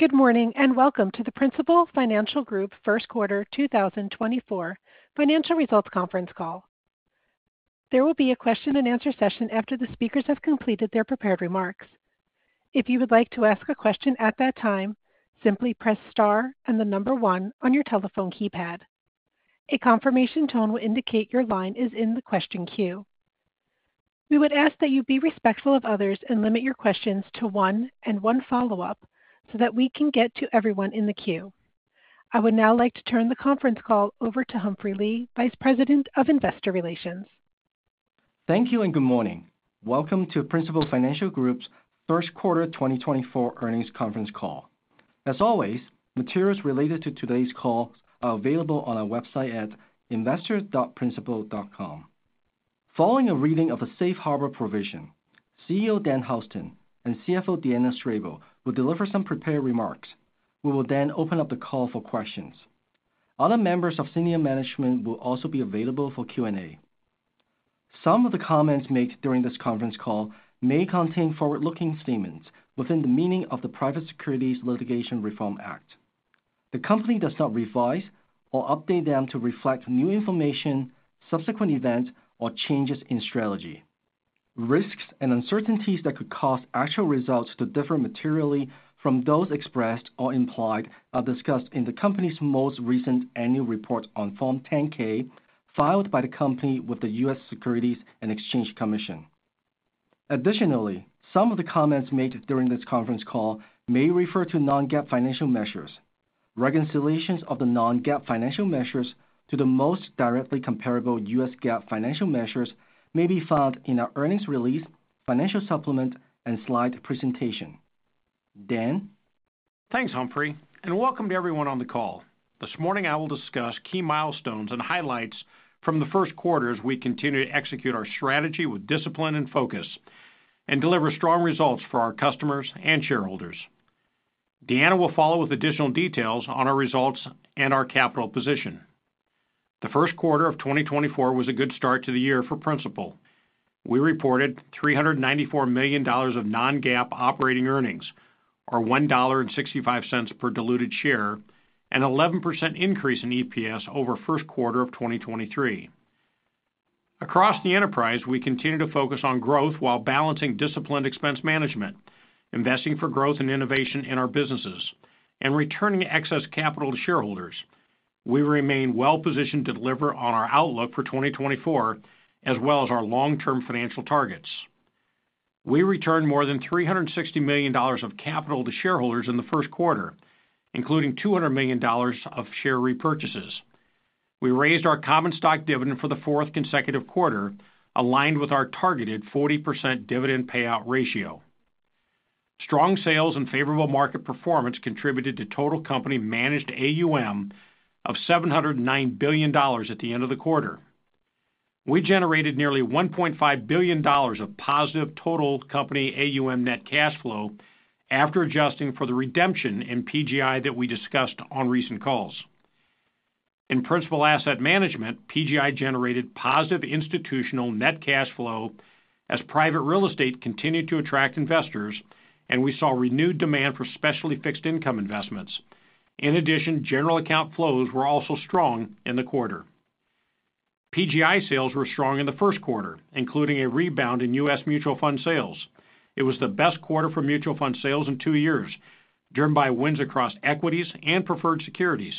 Good morning, and welcome to the Principal Financial Group First Quarter 2024 financial results conference call. There will be a question-and-answer session after the speakers have completed their prepared remarks. If you would like to ask a question at that time, simply press Star and the number 1 on your telephone keypad. A confirmation tone will indicate your line is in the question queue. We would ask that you be respectful of others and limit your questions to one and one follow-up so that we can get to everyone in the queue. I would now like to turn the conference call over to Humphrey Lee, Vice President of Investor Relations. Thank you and good morning. Welcome to Principal Financial Group's first quarter 2024 earnings conference call. As always, materials related to today's call are available on our website at investor.principal.com. Following a reading of a Safe Harbor provision, CEO Dan Houston and CFO Deanna Strable will deliver some prepared remarks. We will then open up the call for questions. Other members of senior management will also be available for Q&A. Some of the comments made during this conference call may contain forward-looking statements within the meaning of the Private Securities Litigation Reform Act. The company does not revise or update them to reflect new information, subsequent events, or changes in strategy. Risks and uncertainties that could cause actual results to differ materially from those expressed or implied are discussed in the company's most recent annual report on Form 10-K, filed by the company with the U.S. Securities and Exchange Commission. Additionally, some of the comments made during this conference call may refer to non-GAAP financial measures. Reconciliations of the non-GAAP financial measures to the most directly comparable U.S. GAAP financial measures may be found in our earnings release, financial supplement, and slide presentation. Dan? Thanks, Humphrey, and welcome to everyone on the call. This morning, I will discuss key milestones and highlights from the first quarter as we continue to execute our strategy with discipline and focus and deliver strong results for our customers and shareholders. Deanna will follow with additional details on our results and our capital position. The first quarter of 2024 was a good start to the year for Principal. We reported $394 million of non-GAAP operating earnings, or $1.65 per diluted share, an 11% increase in EPS over first quarter of 2023. Across the enterprise, we continue to focus on growth while balancing disciplined expense management, investing for growth and innovation in our businesses, and returning excess capital to shareholders. We remain well positioned to deliver on our outlook for 2024, as well as our long-term financial targets. We returned more than $360 million of capital to shareholders in the first quarter, including $200 million of share repurchases. We raised our common stock dividend for the fourth consecutive quarter, aligned with our targeted 40% dividend payout ratio. Strong sales and favourable market performance contributed to total company managed AUM of $709 billion at the end of the quarter. We generated nearly $1.5 billion of positive total company AUM net cash flow after adjusting for the redemption in PGI that we discussed on recent calls. In Principal Asset Management, PGI generated positive institutional net cash flow as private real estate continued to attract investors, and we saw renewed demand for specialty fixed income investments. In addition, general account flows were also strong in the quarter. PGI sales were strong in the first quarter, including a rebound in U.S. mutual fund sales. It was the best quarter for mutual fund sales in two years, driven by wins across equities and preferred securities.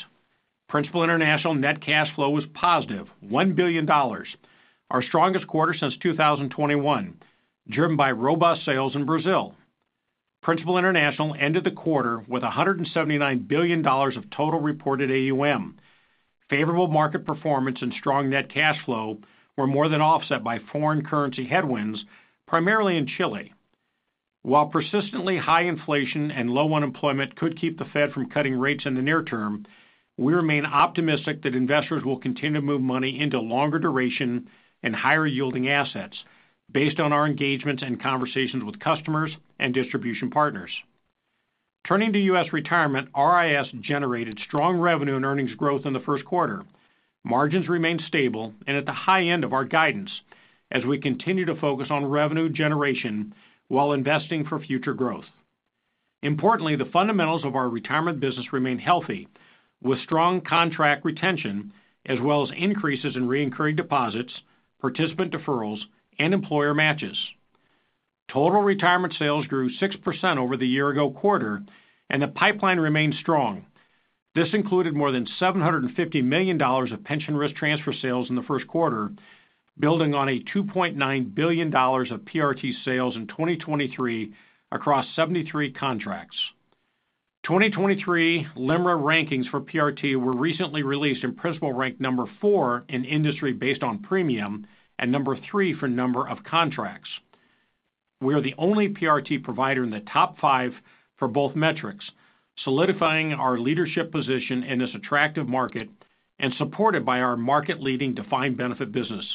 Principal International net cash flow was positive, $1 billion, our strongest quarter since 2021, driven by robust sales in Brazil. Principal International ended the quarter with $179 billion of total reported AUM. Favorable market performance and strong net cash flow were more than offset by foreign currency headwinds, primarily in Chile. While persistently high inflation and low unemployment could keep the Fed from cutting rates in the near term, we remain optimistic that investors will continue to move money into longer duration and higher-yielding assets based on our engagements and conversations with customers and distribution partners. Turning to US retirement, RIS generated strong revenue and earnings growth in the first quarter. Margins remained stable and at the high end of our guidance as we continue to focus on revenue generation while investing for future growth. Importantly, the fundamentals of our retirement business remain healthy, with strong contract retention, as well as increases in recurring deposits, participant deferrals, and employer matches. Total retirement sales grew 6% over the year-ago quarter, and the pipeline remains strong. This included more than $750 million of pension risk transfer sales in the first quarter, building on $2.9 billion of PRT sales in 2023 across 73 contracts. 2023 LIMRA rankings for PRT were recently released, and Principal ranked number 4 in industry based on premium and number 3 for number of contracts. We are the only PRT provider in the top five for both metrics, solidifying our leadership position in this attractive market and supported by our market-leading defined benefit business.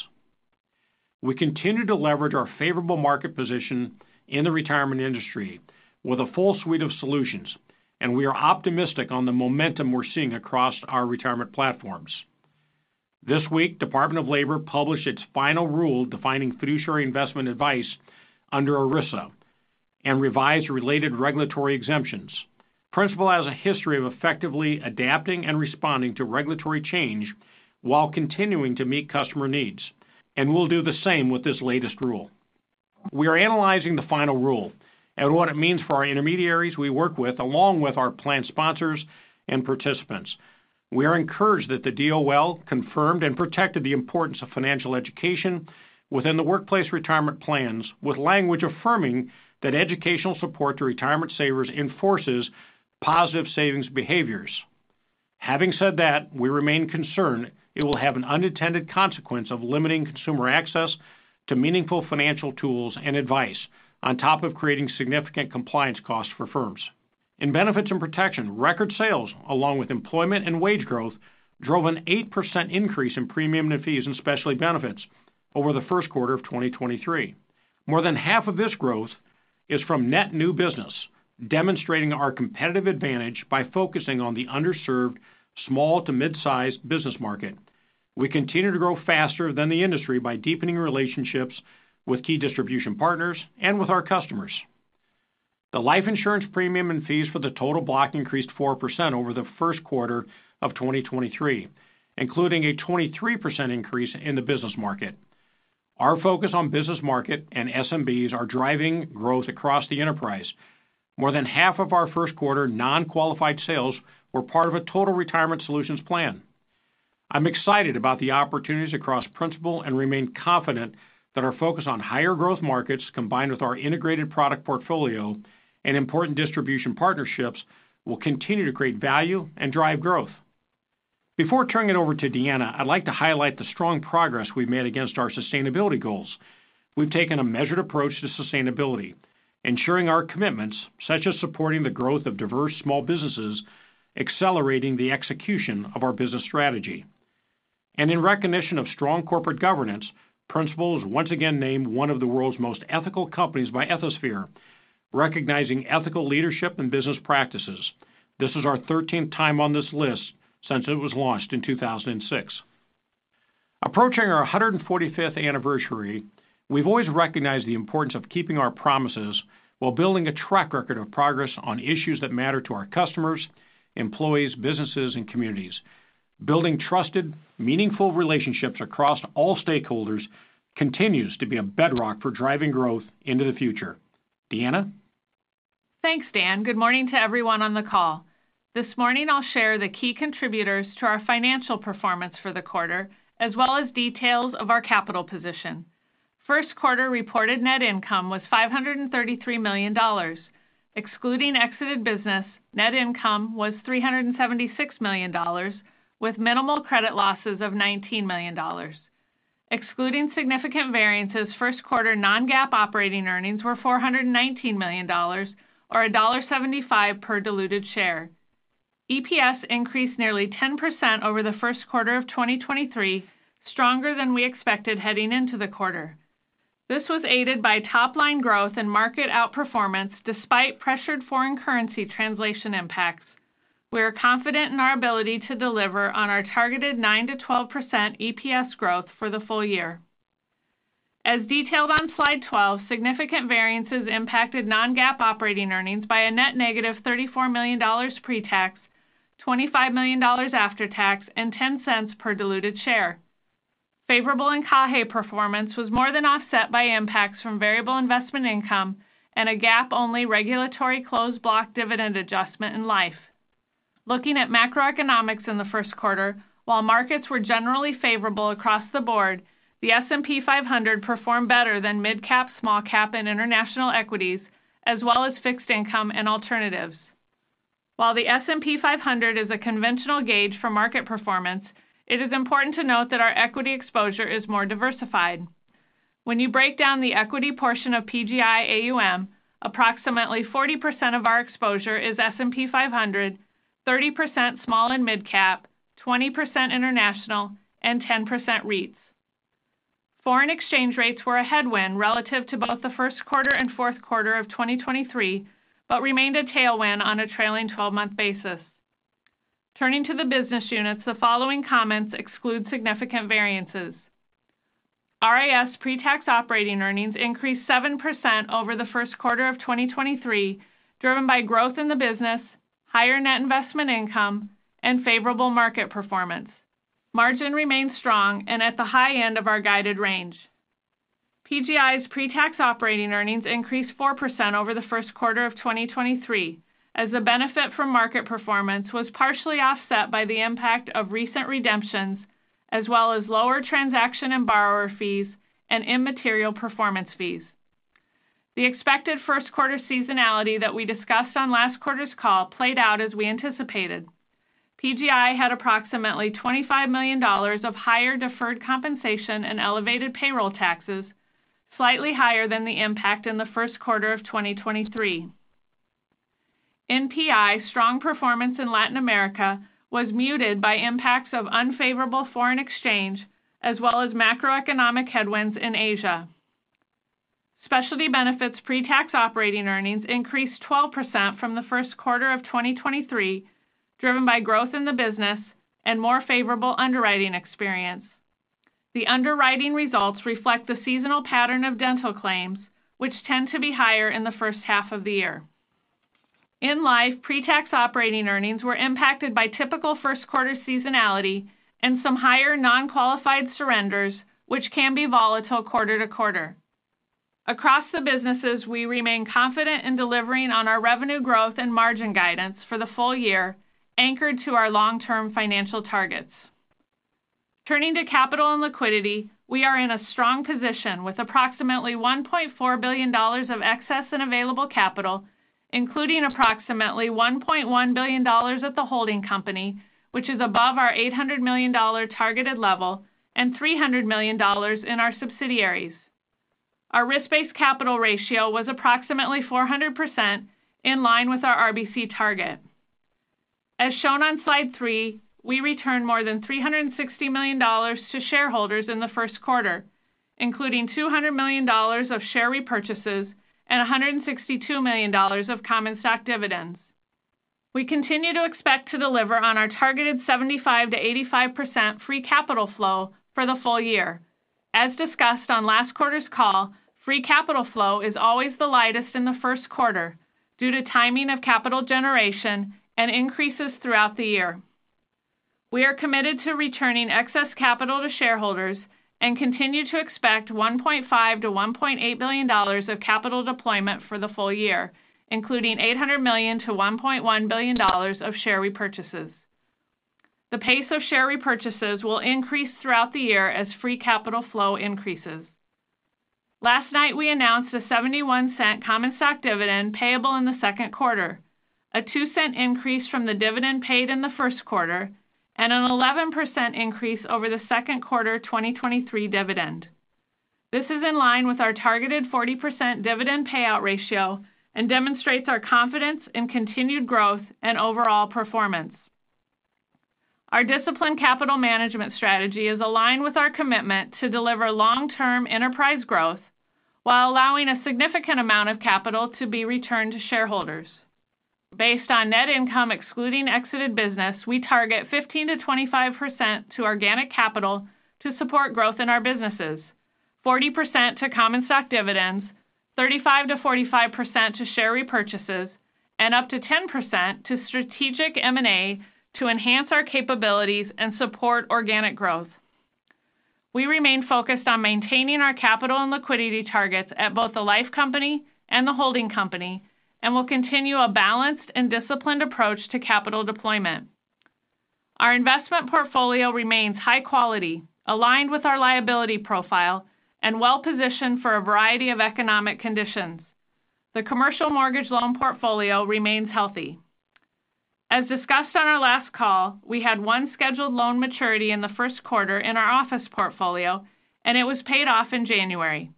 We continue to leverage our favorable market position in the retirement industry with a full suite of solutions, and we are optimistic on the momentum we're seeing across our retirement platforms. This week, Department of Labor published its final rule defining fiduciary investment advice under ERISA, and revised related regulatory exemptions. Principal has a history of effectively adapting and responding to regulatory change while continuing to meet customer needs, and we'll do the same with this latest rule. We are analyzing the final rule and what it means for our intermediaries we work with, along with our plan sponsors and participants. We are encouraged that the DOL confirmed and protected the importance of financial education within the workplace retirement plans, with language affirming that educational support to retirement savers enforces positive savings behaviors. Having said that, we remain concerned it will have an unintended consequence of limiting consumer access to meaningful financial tools and advice, on top of creating significant compliance costs for firms. In benefits and protection, record sales, along with employment and wage growth, drove an 8% increase in premium and fees and specialty benefits over the first quarter of 2023. More than half of this growth is from net new business, demonstrating our competitive advantage by focusing on the underserved, small to mid-sized business market. We continue to grow faster than the industry by deepening relationships with key distribution partners and with our customers. The life insurance premium and fees for the total block increased 4% over the first quarter of 2023, including a 23% increase in the business market. Our focus on business market and SMBs are driving growth across the enterprise. More than half of our first quarter non-qualified sales were part of a Total Retirement Solutions plan. I'm excited about the opportunities across Principal, and remain confident that our focus on higher growth markets, combined with our integrated product portfolio and important distribution partnerships, will continue to create value and drive growth. Before turning it over to Deanna, I'd like to highlight the strong progress we've made against our sustainability goals. We've taken a measured approach to sustainability, ensuring our commitments, such as supporting the growth of diverse small businesses, accelerating the execution of our business strategy. In recognition of strong corporate governance, Principal is once again named one of the world's most ethical companies by Ethisphere, recognizing ethical leadership and business practices. This is our 13th time on this list since it was launched in 2006. Approaching our 145th anniversary, we've always recognized the importance of keeping our promises while building a track record of progress on issues that matter to our customers, employees, businesses, and communities. Building trusted, meaningful relationships across all stakeholders continues to be a bedrock for driving growth into the future. Deanna? Thanks, Dan. Good morning to everyone on the call. This morning, I'll share the key contributors to our financial performance for the quarter, as well as details of our capital position. First quarter reported net income was $533 million. Excluding exited business, net income was $376 million, with minimal credit losses of $19 million. Excluding significant variances, first quarter non-GAAP operating earnings were $419 million, or $1.75 per diluted share. EPS increased nearly 10% over the first quarter of 2023, stronger than we expected heading into the quarter. This was aided by top-line growth and market outperformance, despite pressured foreign currency translation impacts. We are confident in our ability to deliver on our targeted 9%-12% EPS growth for the full year. As detailed on slide 12, significant variances impacted non-GAAP operating earnings by a net negative $34 million pre-tax, $25 million after tax, and $0.10 per diluted share. Favorable in CAHE performance was more than offset by impacts from variable investment income and a GAAP-only regulatory closed block dividend adjustment in Life. Looking at macroeconomics in the first quarter, while markets were generally favorable across the board, the S&P 500 performed better than midcap, small cap, and international equities, as well as fixed income and alternatives. While the S&P 500 is a conventional gauge for market performance, it is important to note that our equity exposure is more diversified. When you break down the equity portion of PGI AUM, approximately 40% of our exposure is S&P 500, 30% small and midcap, 20% international, and 10% REITs. Foreign exchange rates were a headwind relative to both the first quarter and fourth quarter of 2023, but remained a tailwind on a trailing 12-month basis. Turning to the business units, the following comments exclude significant variances. RIS pre-tax operating earnings increased 7% over the first quarter of 2023, driven by growth in the business, higher net investment income, and favorable market performance. Margin remained strong and at the high end of our guided range. PGI's pre-tax operating earnings increased 4% over the first quarter of 2023, as the benefit from market performance was partially offset by the impact of recent redemptions, as well as lower transaction and borrower fees and immaterial performance fees. The expected first quarter seasonality that we discussed on last quarter's call played out as we anticipated. PGI had approximately $25 million of higher deferred compensation and elevated payroll taxes, slightly higher than the impact in the first quarter of 2023. NPI, strong performance in Latin America was muted by impacts of unfavorable foreign exchange, as well as macroeconomic headwinds in Asia.... Specialty benefits pre-tax operating earnings increased 12% from the first quarter of 2023, driven by growth in the business and more favorable underwriting experience. The underwriting results reflect the seasonal pattern of dental claims, which tend to be higher in the first half of the year. In life, pre-tax operating earnings were impacted by typical first quarter seasonality and some higher non-qualified surrenders, which can be volatile quarter to quarter. Across the businesses, we remain confident in delivering on our revenue growth and margin guidance for the full year, anchored to our long-term financial targets. Turning to capital and liquidity, we are in a strong position with approximately $1.4 billion of excess and available capital, including approximately $1.1 billion at the holding company, which is above our $800 million targeted level, and $300 million in our subsidiaries. Our risk-based capital ratio was approximately 400%, in line with our RBC target. As shown on slide 3, we returned more than $360 million to shareholders in the first quarter, including $200 million of share repurchases and $162 million of common stock dividends. We continue to expect to deliver on our targeted 75%-85% free capital flow for the full year. As discussed on last quarter's call, free capital flow is always the lightest in the first quarter due to timing of capital generation and increases throughout the year. We are committed to returning excess capital to shareholders and continue to expect $1.5 billion-$1.8 billion of capital deployment for the full year, including $800 million-$1.1 billion of share repurchases. The pace of share repurchases will increase throughout the year as free capital flow increases. Last night, we announced a 71-cent common stock dividend payable in the second quarter, a 2-cent increase from the dividend paid in the first quarter, and an 11% increase over the second quarter 2023 dividend. This is in line with our targeted 40% dividend payout ratio and demonstrates our confidence in continued growth and overall performance. Our disciplined capital management strategy is aligned with our commitment to deliver long-term enterprise growth while allowing a significant amount of capital to be returned to shareholders. Based on net income, excluding exited business, we target 15%-25% to organic capital to support growth in our businesses, 40% to common stock dividends, 35%-45% to share repurchases, and up to 10% to strategic M&A to enhance our capabilities and support organic growth. We remain focused on maintaining our capital and liquidity targets at both the life company and the holding company, and will continue a balanced and disciplined approach to capital deployment. Our investment portfolio remains high quality, aligned with our liability profile and well-positioned for a variety of economic conditions. The commercial mortgage loan portfolio remains healthy. As discussed on our last call, we had one scheduled loan maturity in the first quarter in our office portfolio, and it was paid off in January.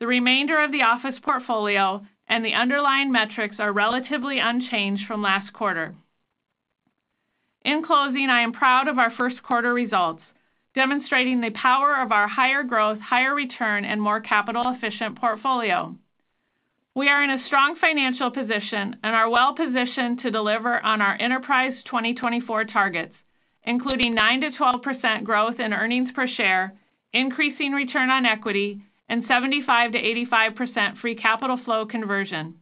The remainder of the office portfolio and the underlying metrics are relatively unchanged from last quarter. In closing, I am proud of our first quarter results, demonstrating the power of our higher growth, higher return, and more capital-efficient portfolio. We are in a strong financial position and are well-positioned to deliver on our enterprise 2024 targets, including 9%-12% growth in earnings per share, increasing return on equity, and 75%-85% free capital flow conversion.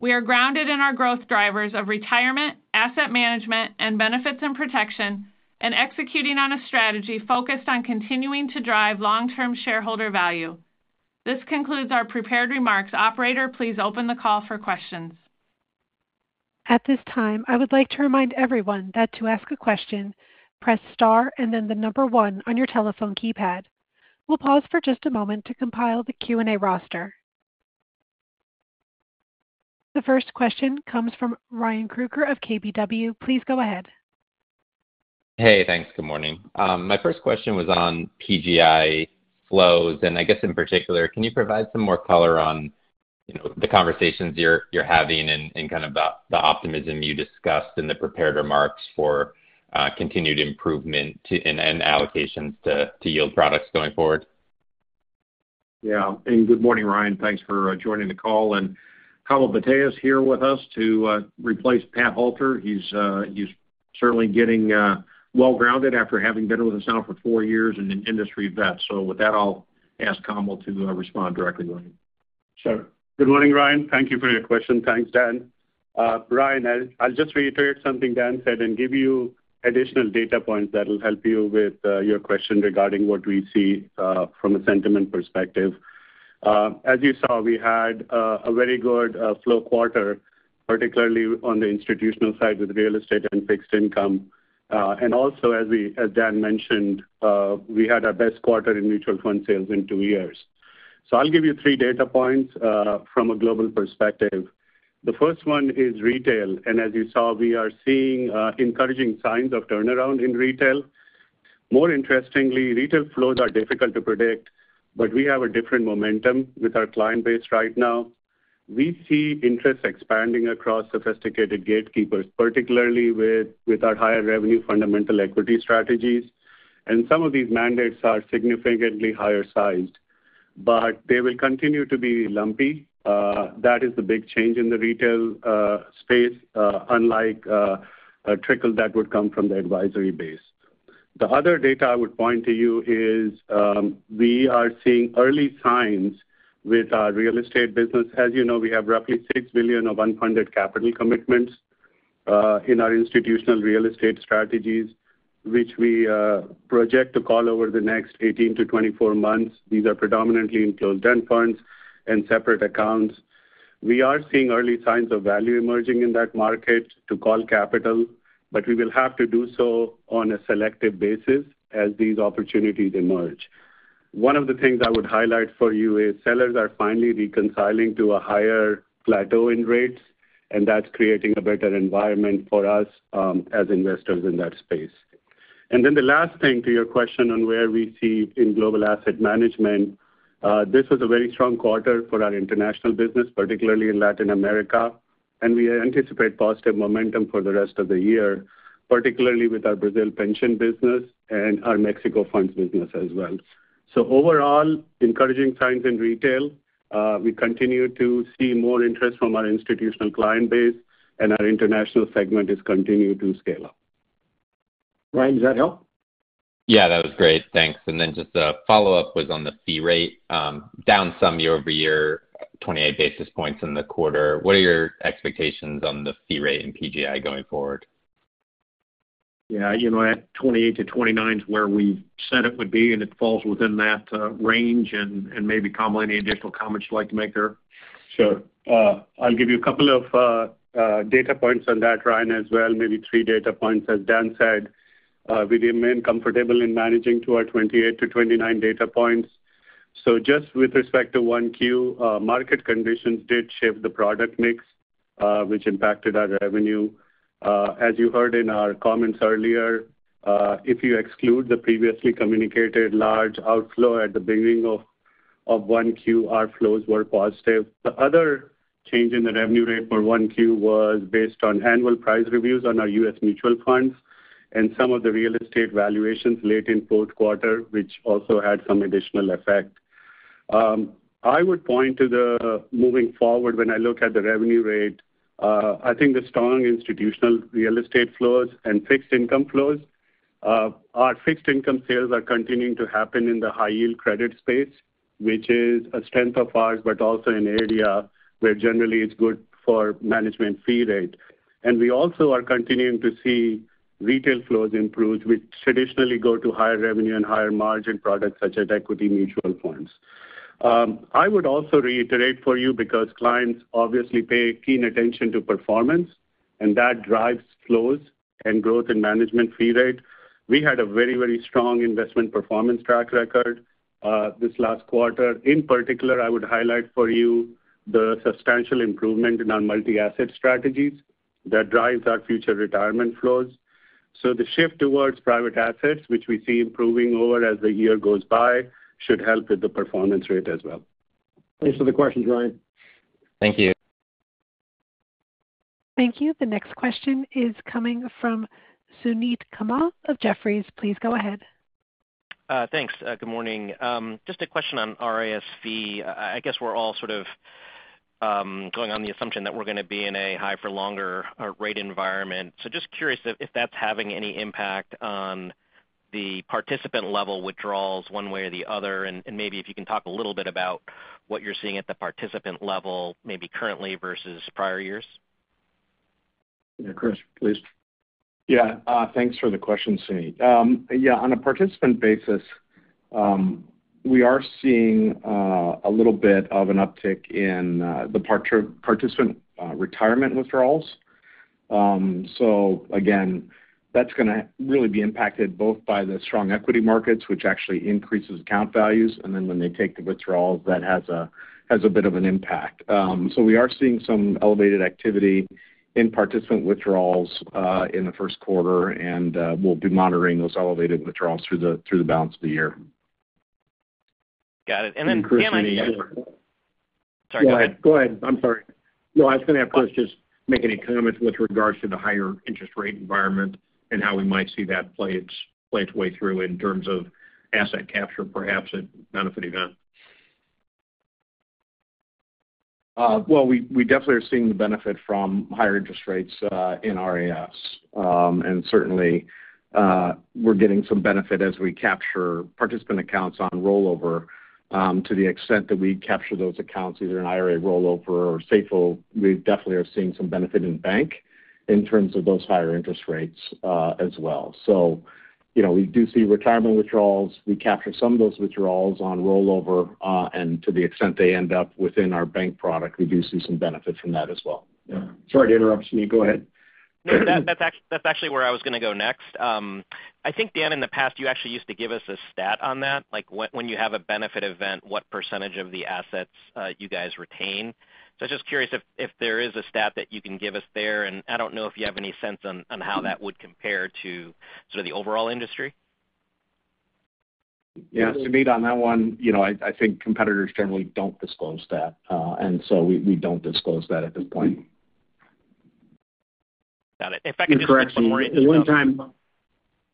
We are grounded in our growth drivers of retirement, asset management, and benefits and protection, and executing on a strategy focused on continuing to drive long-term shareholder value. This concludes our prepared remarks. Operator, please open the call for questions. At this time, I would like to remind everyone that to ask a question, press Star and then the number one on your telephone keypad. We'll pause for just a moment to compile the Q&A roster. The first question comes from Ryan Kruger of KBW. Please go ahead. Hey, thanks. Good morning. My first question was on PGI flows, and I guess in particular, can you provide some more color on, you know, the conversations you're having and kind of the optimism you discussed in the prepared remarks for continued improvement to, and allocations to yield products going forward? Yeah. And good morning, Ryan. Thanks for joining the call, and Kamal Bhatia is here with us to replace Pat Halter. He's certainly getting well-grounded after having been with us now for four years and an industry vet. So with that, I'll ask Kamal to respond directly to you. Sure. Good morning, Ryan. Thank you for your question. Thanks, Dan. Ryan, I'll just reiterate something Dan said and give you additional data points that will help you with your question regarding what we see from a sentiment perspective. As you saw, we had a very good flow quarter, particularly on the institutional side with real estate and fixed income. And also, as Dan mentioned, we had our best quarter in mutual fund sales in two years. So I'll give you three data points from a global perspective. The first one is retail, and as you saw, we are seeing encouraging signs of turnaround in retail. More interestingly, retail flows are difficult to predict, but we have a different momentum with our client base right now. .We see interest expanding across sophisticated gatekeepers, particularly with, with our higher revenue fundamental equity strategies, and some of these mandates are significantly higher sized, but they will continue to be lumpy. That is the big change in the retail space, unlike a trickle that would come from the advisory base. The other data I would point to you is, we are seeing early signs with our real estate business. As you know, we have roughly $6 billion of unfunded capital commitments in our institutional real estate strategies, which we project to call over the next 18-24 months. These are predominantly in closed-end funds and separate accounts. We are seeing early signs of value emerging in that market to call capital, but we will have to do so on a selective basis as these opportunities emerge. One of the things I would highlight for you is sellers are finally reconciling to a higher plateau in rates, and that's creating a better environment for us, as investors in that space. And then the last thing to your question on where we see in global asset management, this was a very strong quarter for our international business, particularly in Latin America, and we anticipate positive momentum for the rest of the year, particularly with our Brazil pension business and our Mexico funds business as well. So overall, encouraging signs in retail. We continue to see more interest from our institutional client base, and our international segment is continuing to scale up. Ryan, does that help? Yeah, that was great. Thanks. And then just a follow-up was on the fee rate, down some year-over-year, 28 basis points in the quarter. What are your expectations on the fee rate in PGI going forward? Yeah, you know, at 28-29 is where we said it would be, and it falls within that range. And maybe, Kamal, any additional comments you'd like to make there? Sure. I'll give you a couple of data points on that, Ryan, as well, maybe three data points. As Dan said, we remain comfortable in managing to our 28-29 data points. So just with respect to 1Q, market conditions did shape the product mix, which impacted our revenue. As you heard in our comments earlier, if you exclude the previously communicated large outflow at the beginning of 1Q, our flows were positive. The other change in the revenue rate for 1Q was based on annual price reviews on our U.S. mutual funds and some of the real estate valuations late in fourth quarter, which also had some additional effect. I would point to the moving forward when I look at the revenue rate. I think the strong institutional real estate flows and fixed income flows. Our fixed income sales are continuing to happen in the high yield credit space, which is a strength of ours, but also an area where generally it's good for management fee rate. And we also are continuing to see retail flows improve, which traditionally go to higher revenue and higher margin products, such as equity mutual funds. I would also reiterate for you, because clients obviously pay keen attention to performance, and that drives flows and growth in management fee rate. We had a very, very strong investment performance track record this last quarter. In particular, I would highlight for you the substantial improvement in our multi-asset strategies that drives our future retirement flows. The shift towards private assets, which we see improving over as the year goes by, should help with the performance rate as well. Thanks for the question, Ryan. Thank you. Thank you. The next question is coming from Suneet Kamath of Jefferies. Please go ahead. Thanks. Good morning. Just a question on RIS. I guess we're all sort of going on the assumption that we're going to be in a high for longer rate environment. So just curious if that's having any impact on the participant level withdrawals one way or the other, and maybe if you can talk a little bit about what you're seeing at the participant level, maybe currently versus prior years. Yeah, Chris, please. Yeah, thanks for the question, Suneet. Yeah, on a participant basis, we are seeing a little bit of an uptick in the participant retirement withdrawals. So again, that's going to really be impacted both by the strong equity markets, which actually increases account values, and then when they take the withdrawals, that has a bit of an impact. So we are seeing some elevated activity in participant withdrawals in the first quarter, and we'll be monitoring those elevated withdrawals through the balance of the year. Got it. And then, Sorry, go ahead. Go ahead. I'm sorry. No, I was going to have Chris just make any comments with regards to the higher interest rate environment and how we might see that play its way through in terms of asset capture, perhaps at benefit event. Well, we definitely are seeing the benefit from higher interest rates in RAS. Certainly, we're getting some benefit as we capture participant accounts on rollover. To the extent that we capture those accounts, either an IRA rollover or safe harbor, we definitely are seeing some benefit in bank in terms of those higher interest rates as well. So, you know, we do see retirement withdrawals. We capture some of those withdrawals on rollover, and to the extent they end up within our bank product, we do see some benefit from that as well. Yeah. Sorry to interrupt, Suneet. Go ahead. No, that, that's actually where I was going to go next. I think, Dan, in the past, you actually used to give us a stat on that, like, when you have a benefit event, what percentage of the assets you guys retain. So I'm just curious if, if there is a stat that you can give us there, and I don't know if you have any sense on, on how that would compare to sort of the overall industry? Yeah, Sumedh, on that one, you know, I think competitors generally don't disclose that, and so we don't disclose that at this point. Got it. If I can just correct. The only time.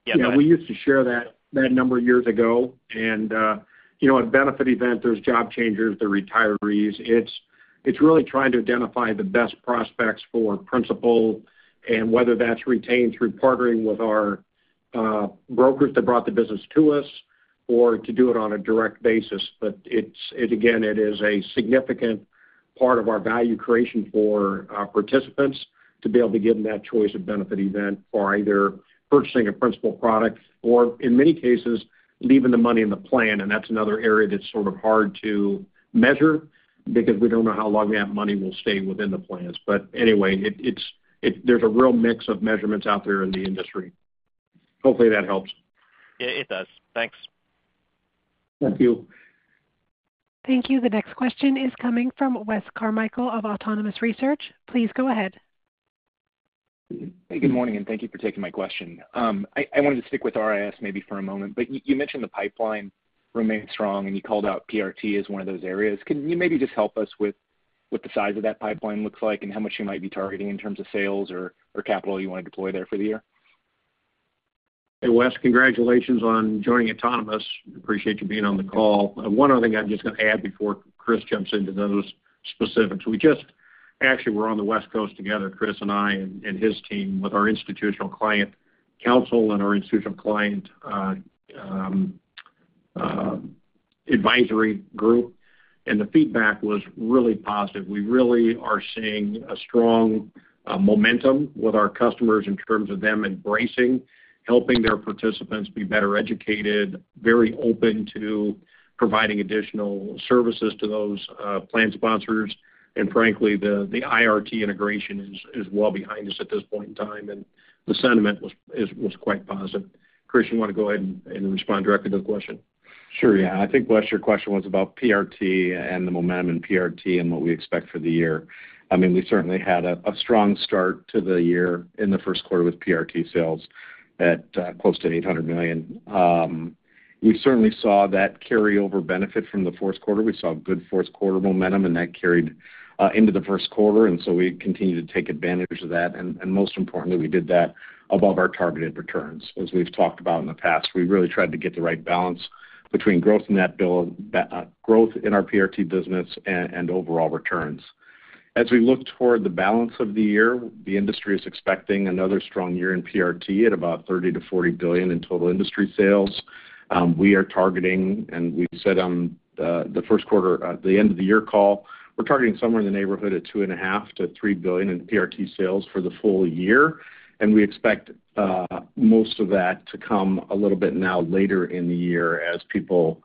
Yeah, go ahead. We used to share that, that number years ago, and, you know, at benefit event, there's job changers, there are retirees. It's, it's really trying to identify the best prospects for Principal, and whether that's retained through partnering with our brokers that brought the business to us or to do it on a direct basis. But it's, again, it is a significant part of our value creation for our participants to be able to give them that choice of benefit event for either purchasing a Principal product or, in many cases, leaving the money in the plan. And that's another area that's sort of hard to measure because we don't know how long that money will stay within the plans. But anyway,, there's a real mix of measurements out there in the industry. Hopefully, that helps. Yeah, it does. Thanks. Thank you. Thank you. The next question is coming from Wes Carmichael of Autonomous Research. Please go ahead. Hey, good morning, and thank you for taking my question. I wanted to stick with RIS maybe for a moment, but you mentioned the pipeline remained strong, and you called out PRT as one of those areas. Can you maybe just help us with what the size of that pipeline looks like and how much you might be targeting in terms of sales or capital you want to deploy there for the year? Hey, Wes, congratulations on joining Autonomous. Appreciate you being on the call. One other thing I'm just going to add before Chris jumps into those specifics. We just, actually, we're on the West Coast together, Chris and I and his team, with our institutional client council and our institutional client advisory group, and the feedback was really positive. We really are seeing a strong momentum with our customers in terms of them embracing, helping their participants be better educated, very open to providing additional services to those plan sponsors. And frankly, the IRT integration is well behind us at this point in time, and the sentiment is quite positive. Chris, you want to go ahead and respond directly to the question? Sure, yeah. I think, Wes, your question was about PRT and the momentum in PRT and what we expect for the year. I mean, we certainly had a strong start to the year in the first quarter with PRT sales at close to $800 million. We certainly saw that carry over benefit from the fourth quarter. We saw good fourth quarter momentum, and that carried into the first quarter, and so we continued to take advantage of that. And most importantly, we did that above our targeted returns. As we've talked about in the past, we really tried to get the right balance between growth in that build, growth in our PRT business and overall returns. As we look toward the balance of the year, the industry is expecting another strong year in PRT at about $30 billion-$40 billion in total industry sales. We are targeting, and we said on the first quarter end of the year call, we're targeting somewhere in the neighborhood of $2.5 billion-$3 billion in PRT sales for the full year. We expect most of that to come a little bit later in the year as people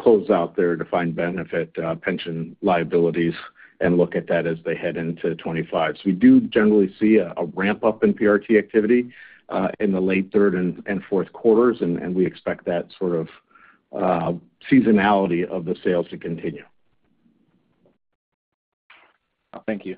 close out their defined benefit pension liabilities and look at that as they head into 2025. So we do generally see a ramp-up in PRT activity in the late third and fourth quarters, and we expect that sort of seasonality of the sales to continue. Thank you.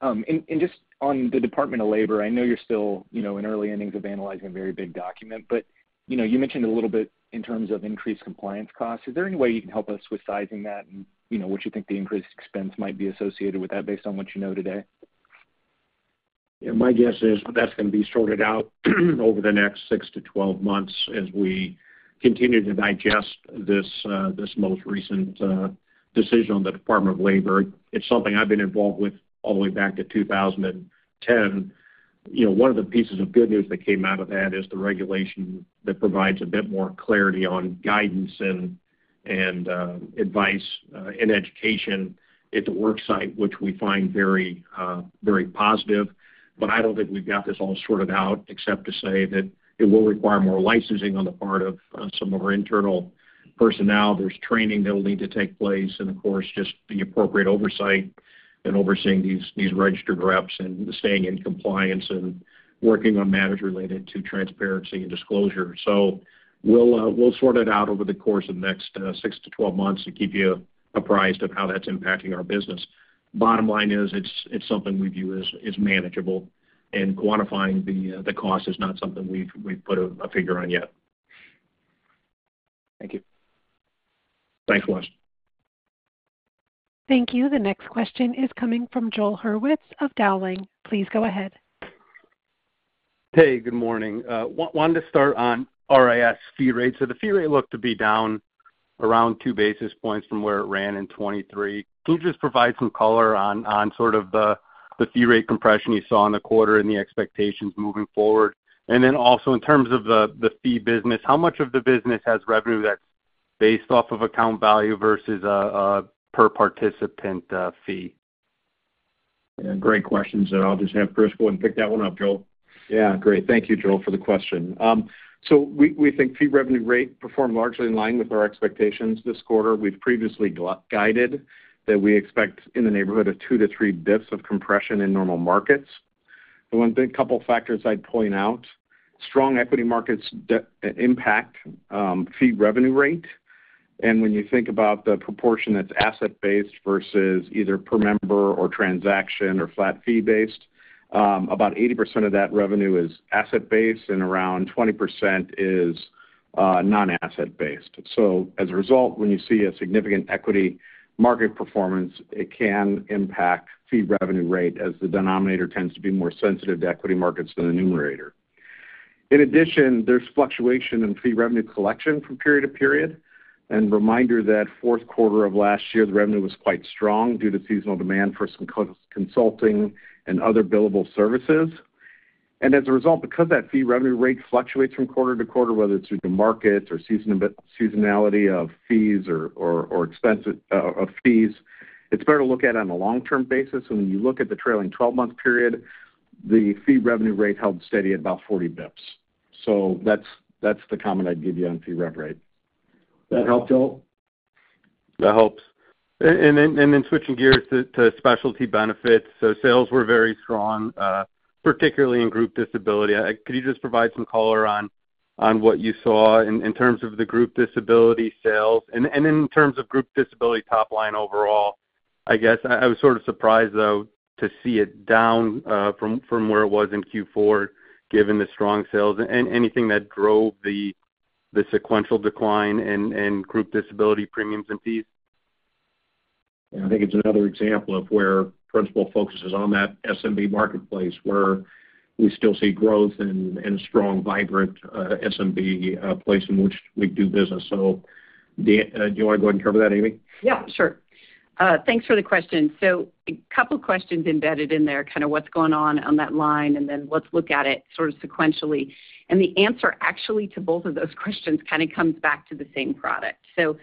And just on the Department of Labor, I know you're still, you know, in early innings of analyzing a very big document, but, you know, you mentioned a little bit in terms of increased compliance costs. Is there any way you can help us with sizing that and, you know, what you think the increased expense might be associated with that based on what you know today? Yeah, my guess is that's going to be sorted out over the next 6 to 12 months as we continue to digest this, this most recent, decision on the Department of Labor. It's something I've been involved with all the way back to 2010. You know, one of the pieces of good news that came out of that is the regulation that provides a bit more clarity on guidance and, and, advice, and education at the work site, which we find very, very positive. But I don't think we've got this all sorted out, except to say that it will require more licensing on the part of, some of our internal personnel. There's training that will need to take place, and of course, just the appropriate oversight and overseeing these, these registered reps and staying in compliance and working on matters related to transparency and disclosure. So we'll, we'll sort it out over the course of the next, 6-12 months and keep you apprised of how that's impacting our business. Bottom line is, it's, it's something we view as, as manageable, and quantifying the, the cost is not something we've, we've put a, a figure on yet. Thank you. Thanks, Wes. Thank you. The next question is coming from Joel Hurwitz of Dowling. Please go ahead. Hey, good morning. Wanted to start on RIS fee rates. So the fee rate looked to be down around two basis points from where it ran in 2023. Can you just provide some color on the fee rate compression you saw in the quarter and the expectations moving forward? And then also in terms of the fee business, how much of the business has revenue that's based off of account value versus a per participant fee? Yeah, great questions, and I'll just have Chris go and pick that one up, Joel. Yeah, great. Thank you, Joel, for the question. So we think fee revenue rate performed largely in line with our expectations this quarter. We've previously guided that we expect in the neighborhood of 2-3 basis points of compression in normal markets. The one big couple factors I'd point out, strong equity markets impact fee revenue rate, and when you think about the proportion that's asset-based versus either per member or transaction or flat fee-based, about 80% of that revenue is asset-based and around 20% is non-asset based. So as a result, when you see a significant equity market performance, it can impact fee revenue rate, as the denominator tends to be more sensitive to equity markets than the numerator. In addition, there's fluctuation in fee revenue collection from period to period, and reminder that fourth quarter of last year, the revenue was quite strong due to seasonal demand for some consulting and other billable services. As a result, because that fee revenue rate fluctuates from quarter to quarter, whether it's through the markets or seasonality of fees or expense of fees, it's better to look at it on a long-term basis. When you look at the trailing 12-month period, the fee revenue rate held steady at about 40 BPS. So that's the comment I'd give you on fee rev rate. That help, Joel? That helps. Then switching gears to specialty benefits. Sales were very strong, particularly in group disability. Could you just provide some color on what you saw in terms of the group disability sales? In terms of group disability top line overall, I guess I was sort of surprised, though, to see it down from where it was in Q4, given the strong sales. Anything that drove the sequential decline in group disability premiums and fees? I think it's another example of where Principal focuses on that SMB marketplace, where we still see growth and, and strong, vibrant, SMB, place in which we do business. So do you want to go ahead and cover that, Amy? Yeah, sure. Thanks for the question. So a couple questions embedded in there, kind of what's going on on that line, and then let's look at it sort of sequentially. And the answer, actually, to both of those questions kind of comes back to the same product. So,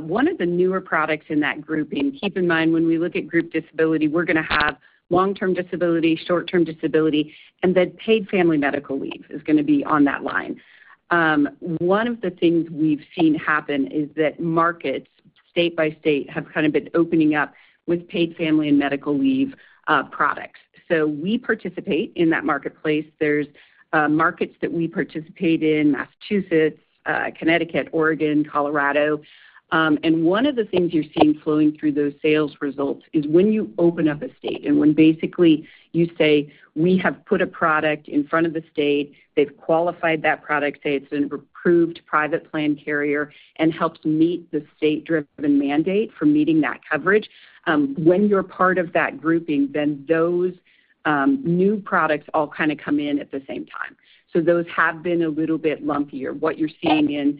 one of the newer products in that grouping, keep in mind, when we look at group disability, we're going to have long-term disability, short-term disability, and then paid family and medical leave is gonna be on that line. One of the things we've seen happen is that markets, state by state, have kind of been opening up with paid family and medical leave products. So we participate in that marketplace. There's markets that we participate in, Massachusetts, Connecticut, Oregon, Colorado. And one of the things you're seeing flowing through those sales results is when you open up a state, and when basically you say, "We have put a product in front of the state, they've qualified that product, say, it's an approved private plan carrier, and helps meet the state-driven mandate for meeting that coverage," when you're part of that grouping, then those, new products all kind of come in at the same time. So those have been a little bit lumpier. What you're seeing in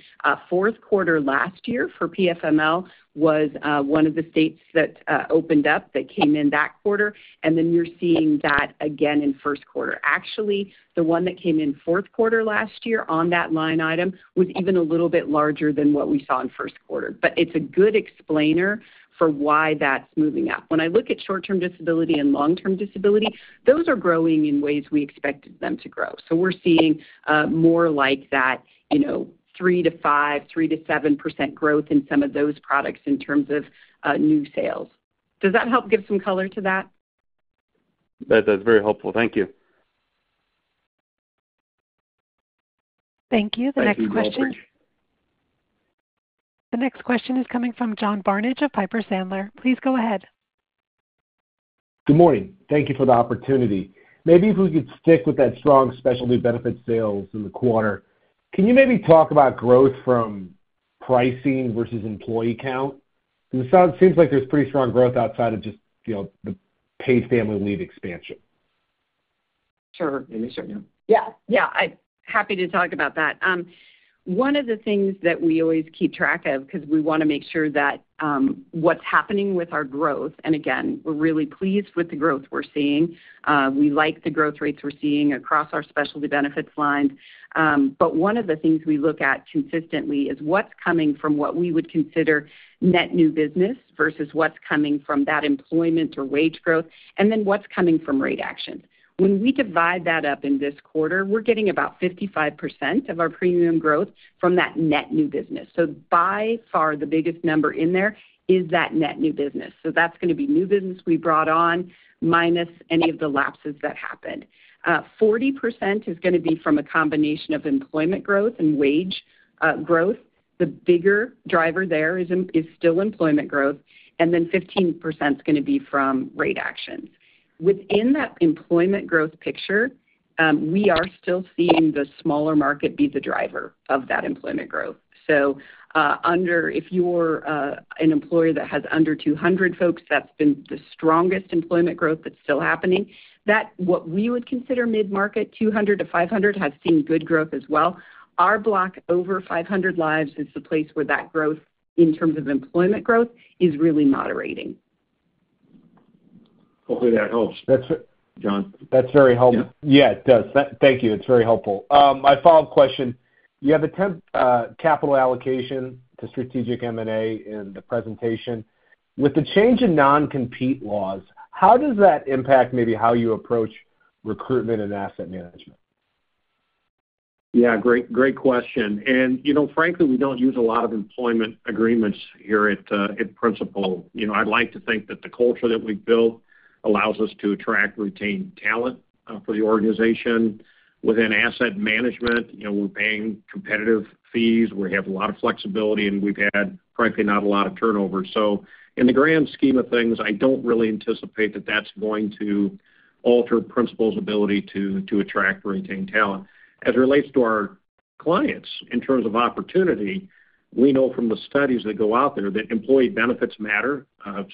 fourth quarter last year for PFML was one of the states that opened up that came in that quarter, and then you're seeing that again in first quarter. Actually, the one that came in fourth quarter last year on that line item was even a little bit larger than what we saw in first quarter. But it's a good explainer for why that's moving up. When I look at short-term disability and long-term disability, those are growing in ways we expected them to grow. So we're seeing more like that, you know, 3-5, 3-7% growth in some of those products in terms of new sales. Does that help give some color to that? That's very helpful. Thank you. Thank you. The next question is coming from John Barnidge of Piper Sandler. Please go ahead. Good morning. Thank you for the opportunity. Maybe if we could stick with that strong specialty benefit sales in the quarter, can you maybe talk about growth from pricing versus employee count? Because it seems like there's pretty strong growth outside of just, you know, the paid family leave expansion. Sure. Let me start, yeah. Yeah, yeah, I'm happy to talk about that. One of the things that we always keep track of, 'cause we want to make sure that, what's happening with our growth, and again, we're really pleased with the growth we're seeing, we like the growth rates we're seeing across our specialty benefits lines. But one of the things we look at consistently is what's coming from what we would consider net new business versus what's coming from that employment or wage growth, and then what's coming from rate actions. When we divide that up in this quarter, we're getting about 55% of our premium growth from that net new business. So by far, the biggest number in there is that net new business. So that's going to be new business we brought on, minus any of the lapses that happened. 40% is going to be from a combination of employment growth and wage growth. The bigger driver there is still employment growth, and then 15% is going to be from rate actions. Within that employment growth picture, we are still seeing the smaller market be the driver of that employment growth. If you're an employer that has under 200 folks, that's been the strongest employment growth that's still happening. That's what we would consider mid-market, 200-500, has seen good growth as well. Our block over 500 lives is the place where that growth, in terms of employment growth, is really moderating. Hopefully that helps. That's it. John? That's very helpful. Yeah. Yeah, it does. Thank you, it's very helpful. My follow-up question: You have a temp capital allocation to strategic M&A in the presentation. With the change in non-compete laws, how does that impact maybe how you approach recruitment and asset management? Yeah, great, great question. And, you know, frankly, we don't use a lot of employment agreements here at, at Principal. You know, I'd like to think that the culture that we've built allows us to attract, retain talent, for the organization. Within asset management, you know, we're paying competitive fees, we have a lot of flexibility, and we've had, frankly, not a lot of turnover. So in the grand scheme of things, I don't really anticipate that that's going to alter Principal's ability to attract, retain talent. As it relates to our clients in terms of opportunity, we know from the studies that go out there that employee benefits matter,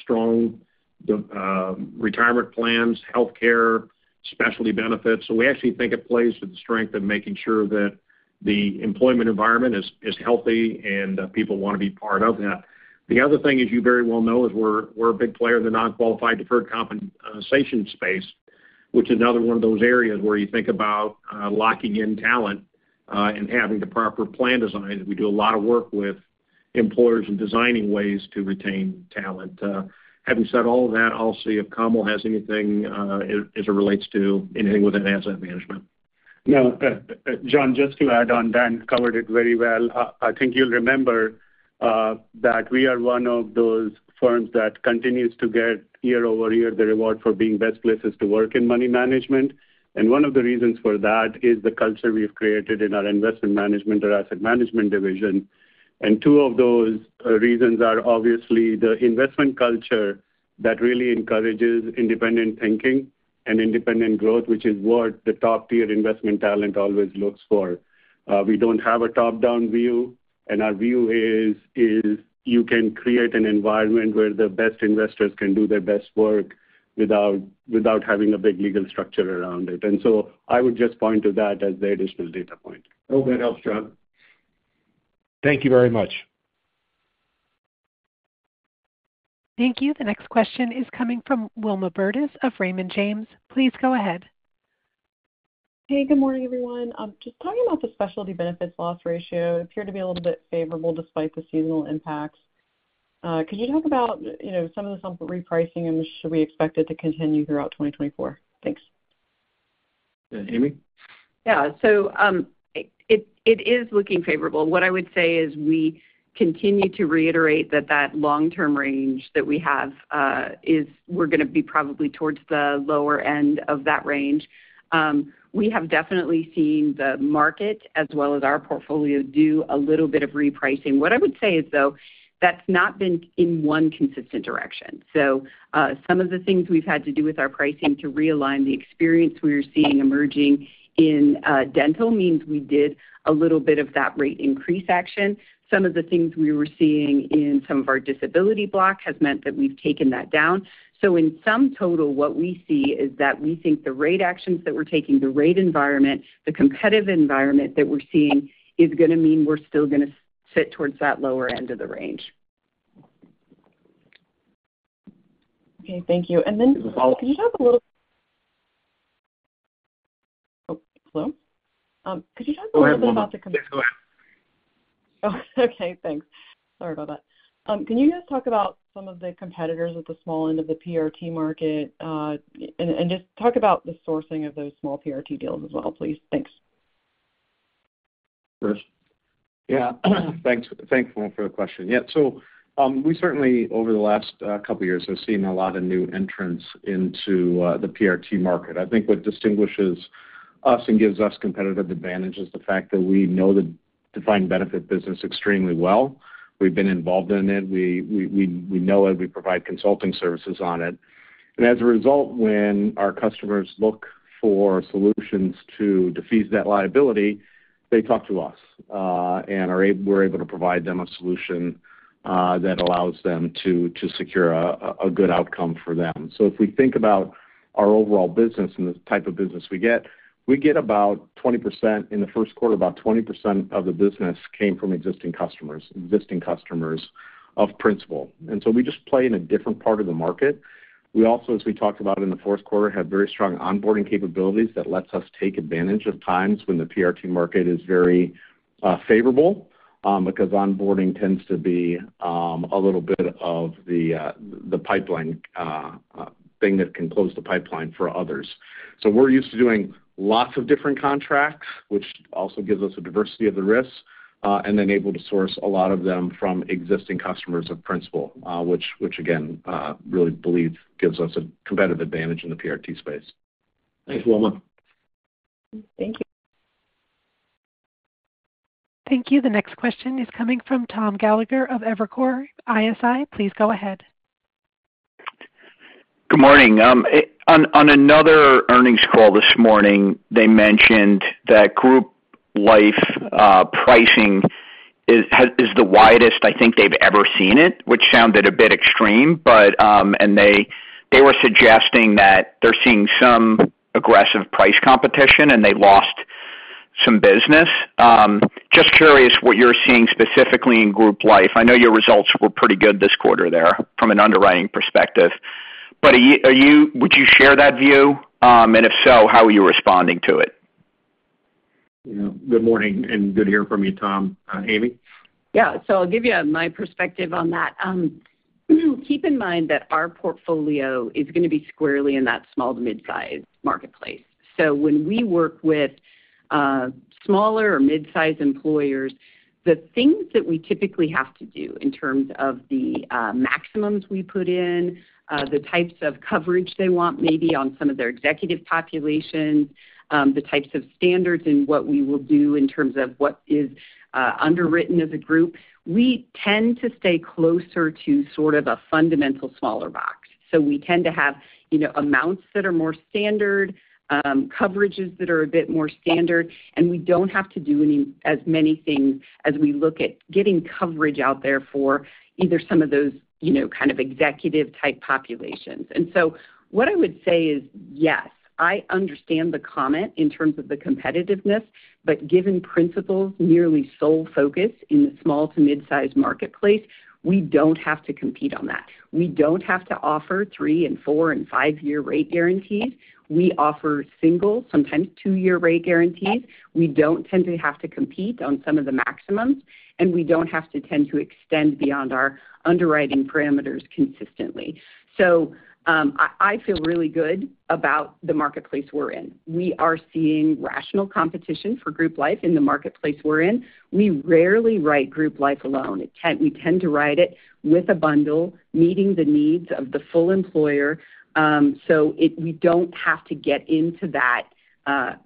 strong, retirement plans, healthcare, specialty benefits. So we actually think it plays to the strength of making sure that the employment environment is healthy, and, people want to be part of that. The other thing, as you very well know, is we're a big player in the non-qualified deferred compensation space, which is another one of those areas where you think about locking in talent and having the proper plan design. We do a lot of work with employers in designing ways to retain talent. Having said all of that, I'll see if Kamal has anything as it relates to anything within asset management. No, John, just to add on, Dan covered it very well. I think you'll remember that we are one of those firms that continues to get year-over-year the reward for being best places to work in money management. And one of the reasons for that is the culture we've created in our investment management or asset management division. And two of those reasons are obviously the investment culture that really encourages independent thinking and independent growth, which is what the top tier investment talent always looks for. We don't have a top-down view, and our view is, is you can create an environment where the best investors can do their best work without, without having a big legal structure around it. And so I would just point to that as the additional data point. Hope that helps, John. Thank you very much. Thank you. The next question is coming from Wilma Burdis of Raymond James. Please go ahead. Hey, good morning, everyone. Just talking about the specialty benefits loss ratio, it appeared to be a little bit favorable despite the seasonal impacts. Could you talk about, you know, some of the simple repricing, and should we expect it to continue throughout 2024? Thanks. Amy? Yeah. So, it is looking favorable. What I would say is we continue to reiterate that long-term range that we have is we're going to be probably towards the lower end of that range. We have definitely seen the market as well as our portfolio do a little bit of repricing. What I would say is, though, that's not been in one consistent direction. So, some of the things we've had to do with our pricing to realign the experience we are seeing emerging in dental means we did a little bit of that rate increase action. Some of the things we were seeing in some of our disability block has meant that we've taken that down. So in some total, what we see is that we think the rate actions that we're taking, the rate environment, the competitive environment that we're seeing is going to mean we're still going to sit towards that lower end of the range. Okay, thank you. And then can you talk a little. Oh, hello? Could you talk a little bit about. Yes, go ahead. Okay, thanks. Sorry about that. Can you guys talk about some of the competitors at the small end of the PRT market, and just talk about the sourcing of those small PRT deals as well, please? Thanks. Chris? Yeah, thanks. Thanks, Wilma, for the question. Yeah, so, we certainly, over the last, couple of years, have seen a lot of new entrants into, the PRT market. I think what distinguishes us and gives us competitive advantage is the fact that we know the defined benefit business extremely well. We've been involved in it. We know it. We provide consulting services on it. And as a result, when our customers look for solutions to defease that liability, they talk to us, and we're able to provide them a solution, that allows them to secure a good outcome for them. So if we think about our overall business and the type of business we get, we get about 20%—in the first quarter, about 20% of the business came from existing customers, existing customers of Principal, and so we just play in a different part of the market. We also, as we talked about in the fourth quarter, have very strong onboarding capabilities that lets us take advantage of times when the PRT market is very favorable, because onboarding tends to be a little bit of the pipeline thing that can close the pipeline for others. So we're used to doing lots of different contracts, which also gives us a diversity of the risks, and then able to source a lot of them from existing customers of Principal, which, again, really believe gives us a competitive advantage in the PRT space. Thanks, Wilma. Thank you. Thank you. The next question is coming from Tom Gallagher of Evercore ISI. Please go ahead. Good morning. On another earnings call this morning, they mentioned that group life pricing is the widest I think they've ever seen it, which sounded a bit extreme. But they were suggesting that they're seeing some aggressive price competition, and they lost some business. Just curious what you're seeing specifically in group life. I know your results were pretty good this quarter there from an underwriting perspective, but would you share that view? And if so, how are you responding to it? Yeah. Good morning, and good to hear from you, Tom. Amy? Yeah. So I'll give you my perspective on that. Keep in mind that our portfolio is going to be squarely in that small to mid-size marketplace. So when we work with smaller or mid-size employers, the things that we typically have to do in terms of the maximums we put in, the types of coverage they want, maybe on some of their executive population, the types of standards and what we will do in terms of what is underwritten as a group, we tend to stay closer to sort of a fundamental smaller box. So we tend to have, you know, amounts that are more standard, coverages that are a bit more standard, and we don't have to do any, as many things as we look at getting coverage out there for either some of those, you know, kind of executive type populations. And so what I would say is, yes, I understand the comment in terms of the competitiveness, but given Principal's nearly sole focus in the small to mid-size marketplace, we don't have to compete on that. We don't have to offer 3- and 4- and 5-year rate guarantees. We offer single, sometimes 2-year rate guarantees. We don't tend to have to compete on some of the maximums, and we don't have to tend to extend beyond our underwriting parameters consistently. So, I feel really good about the marketplace we're in. We are seeing rational competition for group life in the marketplace we're in. We rarely write group life alone. We tend to write it with a bundle, meeting the needs of the full employer, we don't have to get into that,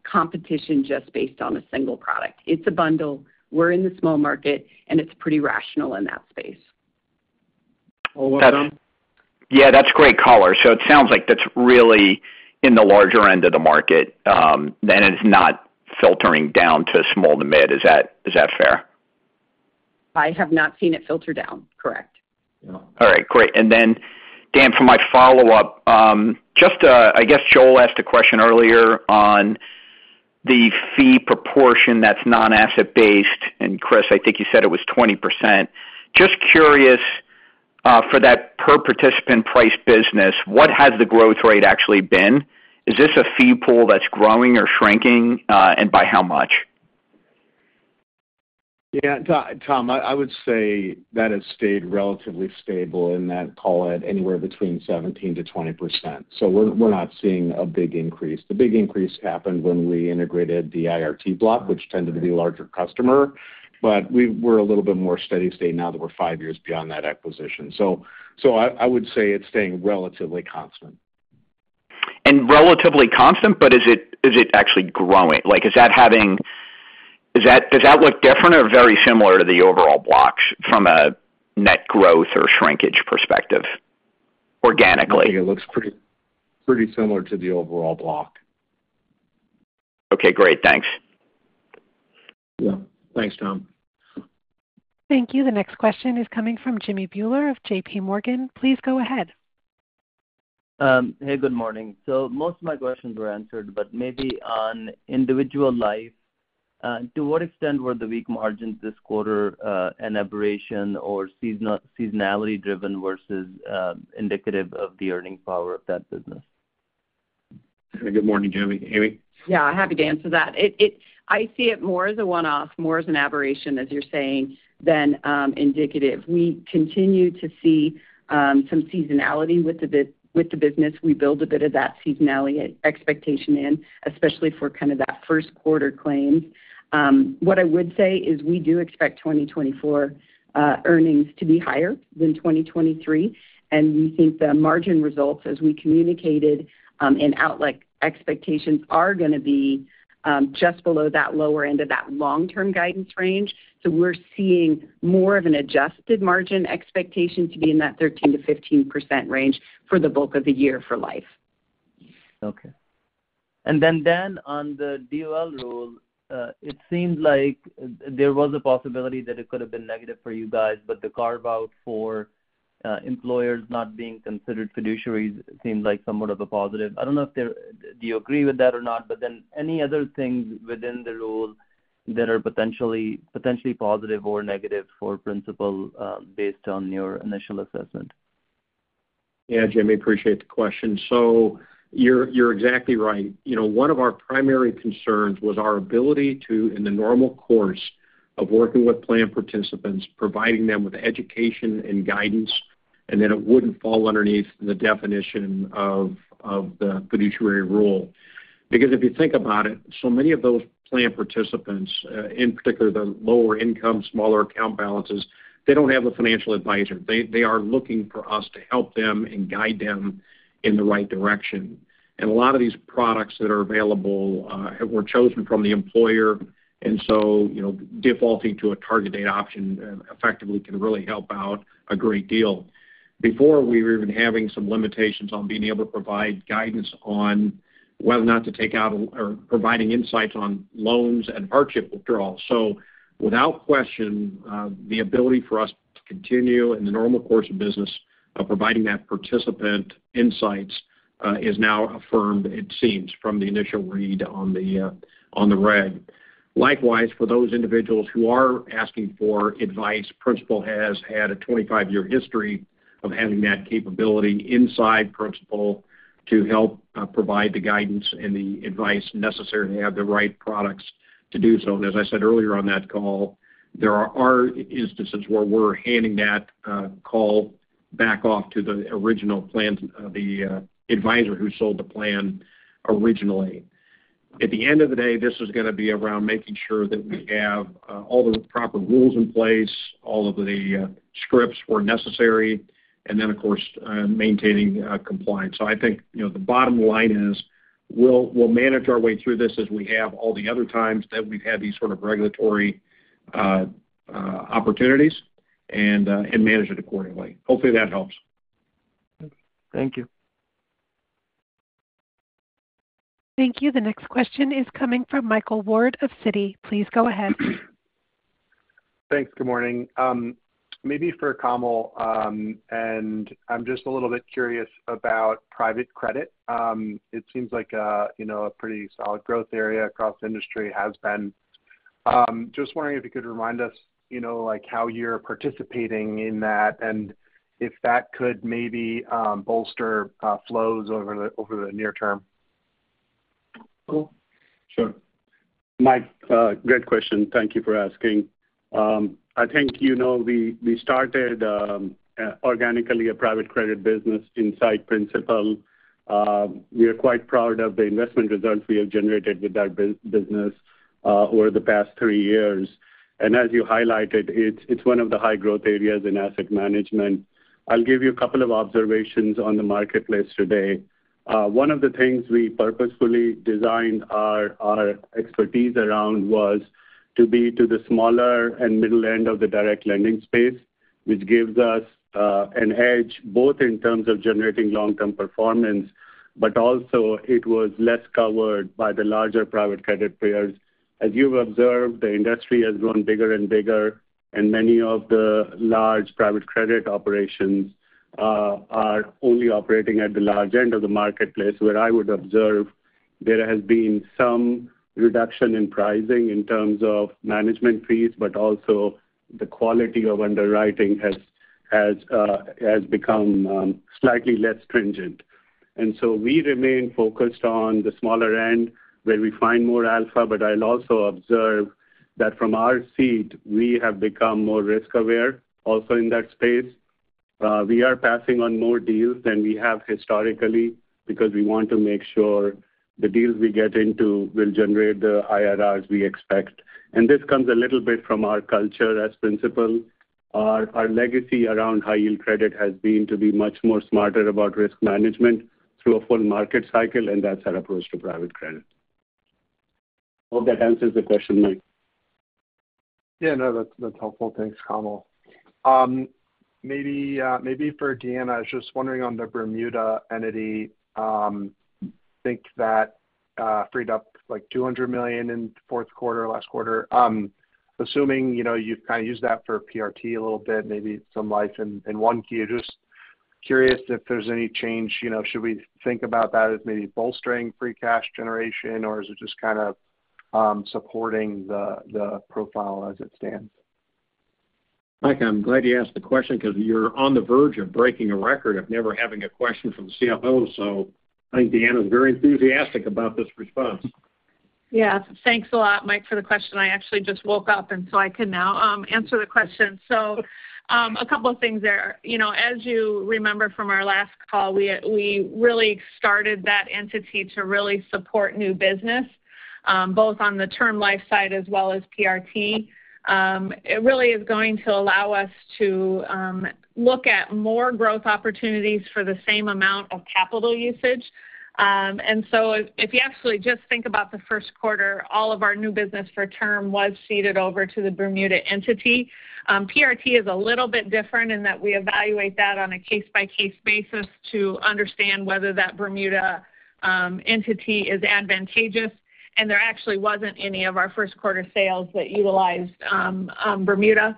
competition just based on a single product. It's a bundle, we're in the small market, and it's pretty rational in that space. Yeah, that's great color. So it sounds like that's really in the larger end of the market, and it's not filtering down to small to mid. Is that, is that fair? I have not seen it filter down. Correct. All right, great. And then, Dan, for my follow-up, just, I guess Joel asked a question earlier on the fee proportion that's non-asset based, and Chris, I think you said it was 20%. Just curious, for that per participant price business, what has the growth rate actually been? Is this a fee pool that's growing or shrinking, and by how much? Yeah, Tom, I would say that has stayed relatively stable in that, call it, anywhere between 17%-20%. So we're not seeing a big increase. The big increase happened when we integrated the IRT block, which tended to be a larger customer, but we're a little bit more steady state now that we're five years beyond that acquisition. So I would say it's staying relatively constant. Relatively constant, but is it, is it actually growing? Like, is that having - is that, does that look different or very similar to the overall blocks from a net growth or shrinkage perspective, organically? It looks pretty, pretty similar to the overall block. Okay, great. Thanks. Yeah. Thanks, Tom. Thank you. The next question is coming from Jimmy Bhullar of J.P. Morgan. Please go ahead. Hey, good morning. Most of my questions were answered, but maybe on individual life, to what extent were the weak margins this quarter an aberration or seasonality driven versus indicative of the earning power of that business? Good morning, Jimmy. Amy? Yeah, happy to answer that. I see it more as a one-off, more as an aberration, as you're saying, than indicative. We continue to see some seasonality with the business. We build a bit of that seasonality expectation in, especially for kind of that first quarter claims. What I would say is we do expect 2024 earnings to be higher than 2023, and we think the margin results, as we communicated, in our outlook expectations, are going tobe just below that lower end of that long-term guidance range. So we're seeing more of an adjusted margin expectation to be in that 13%-15% range for the bulk of the year for life. Okay. And then, Dan, on the DOL rule, it seems like there was a possibility that it could have been negative for you guys, but the carve-out for employers not being considered fiduciaries seemed like somewhat of a positive. I don't know if they're—do you agree with that or not? But then, any other things within the rule that are potentially positive or negative for Principal, based on your initial assessment? Yeah, Jimmy, appreciate the question. So you're, you're exactly right. You know, one of our primary concerns was our ability to, in the normal course of working with plan participants, providing them with education and guidance, and that it wouldn't fall underneath the definition of, of the fiduciary rule. Because if you think about it, so many of those plan participants, in particular, the lower income, smaller account balances, they don't have a financial advisor. They, they are looking for us to help them and guide them in the right direction. And a lot of these products that are available, were chosen from the employer, and so, you know, defaulting to a target date option, effectively can really help out a great deal. Before, we were even having some limitations on being able to provide guidance on whether or not to take out or providing insights on loans and hardship withdrawals. So without question, the ability for us to continue in the normal course of business of providing that participant insights, is now affirmed, it seems, from the initial read on the, on the reg. Likewise, for those individuals who are asking for advice, Principal has had a 25-year history of having that capability inside Principal to help, provide the guidance and the advice necessary to have the right products to do so. And as I said earlier on that call, there are instances where we're handing that, call back off to the original plan, the, advisor who sold the plan originally. At the end of the day, this is going to be around making sure that we have all the proper rules in place, all of the scripts where necessary, and then, of course, maintaining compliance. So I think, you know, the bottom line is, we'll manage our way through this as we have all the other times that we've had these sort of regulatory opportunities and manage it accordingly. Hopefully, that helps. Thank you. Thank you. The next question is coming from Michael Ward of Citi. Please go ahead. Thanks. Good morning. Maybe for Kamal, and I'm just a little bit curious about private credit. It seems like, you know, a pretty solid growth area across the industry has been. Just wondering if you could remind us, you know, like, how you're participating in that, and if that could maybe bolster flows over the near term? Cool. Sure. Mike, great question. Thank you for asking. I think you know, we started organically a private credit business inside Principal. We are quite proud of the investment results we have generated with that business over the past three years. As you highlighted, it's one of the high growth areas in asset management. I'll give you a couple of observations on the marketplace today. One of the things we purposefully designed our expertise around was to be to the smaller and middle end of the direct lending space, which gives us an edge, both in terms of generating long-term performance, but also it was less covered by the larger private credit players. As you've observed, the industry has grown bigger and bigger, and many of the large private credit operations are only operating at the large end of the marketplace, where I would observe there has been some reduction in pricing in terms of management fees, but also the quality of underwriting has become slightly less stringent. And so we remain focused on the smaller end, where we find more alpha, but I'll also observe that from our seat, we have become more risk aware also in that space. We are passing on more deals than we have historically because we want to make sure the deals we get into will generate the IRRs we expect. And this comes a little bit from our culture as Principal. Our legacy around high yield credit has been to be much more smarter about risk management through a full market cycle, and that's our approach to private credit. I hope that answers the question, Mike. Yeah, no, that's, that's helpful. Thanks, Kamal. Maybe, maybe for Deanna, I was just wondering on the Bermuda entity, think that freed up, like, $200 million in the fourth quarter, last quarter. Assuming, you know, you've kind of used that for PRT a little bit, maybe some life in one key, just curious if there's any change, you know, should we think about that as maybe bolstering free cash generation, or is it just kind of supporting the, the profile as it stands? Mike, I'm glad you asked the question because you're on the verge of breaking a record of never having a question from the CFO, so I think Deanna is very enthusiastic about this response. Yeah. Thanks a lot, Mike, for the question. I actually just woke up, and so I can now answer the question. So, a couple of things there. You know, as you remember from our last call, we really started that entity to really support new business both on the term life side as well as PRT. It really is going to allow us to look at more growth opportunities for the same amount of capital usage. And so if you actually just think about the first quarter, all of our new business for term was seeded over to the Bermuda entity. PRT is a little bit different in that we evaluate that on a case-by-case basis to understand whether that Bermuda entity is advantageous, and there actually wasn't any of our first quarter sales that utilized Bermuda.